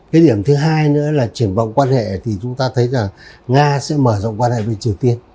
cái điểm thứ hai nữa là triển vọng quan hệ thì chúng ta thấy là nga sẽ mở rộng quan hệ với triều tiên